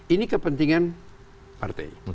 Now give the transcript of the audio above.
ini kepentingan partainya